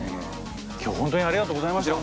今日本当にありがとうございました！